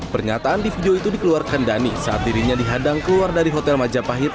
pernyataan di video itu dikeluarkan dhani saat dirinya dihadang keluar dari hotel majapahit